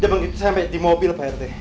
dia begitu sampai di mobil pak rete